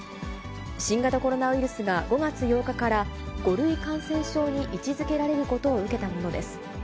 新型コロナウイルスが５月８日から５類感染症に位置づけられることを受けたものです。